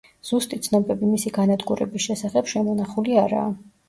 ზუსტი ცნობები მისი განადგურების შესახებ შემონახული არაა.